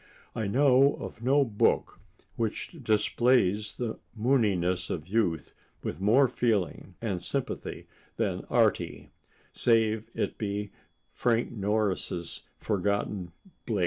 I know of no book which displays the mooniness of youth with more feeling and sympathy than "Artie," save it be Frank Norris' forgotten "Blix."